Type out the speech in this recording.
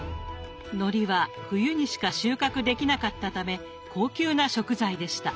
のりは冬にしか収穫できなかったため高級な食材でした。